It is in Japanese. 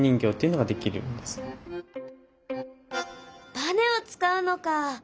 ばねを使うのか。